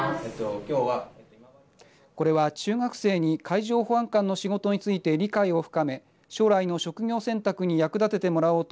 これは中学生に海上保安官の仕事について理解を深め将来の職業選択に役立ててもらおうと